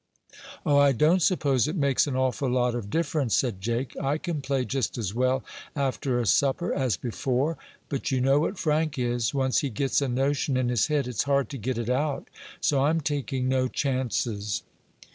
"Oh, I don't suppose it makes an awful lot of difference," said Jake. "I can play just as well after a supper as before. But you know what Frank is. Once he gets a notion in his head it's hard to get it out. So I'm taking no chances."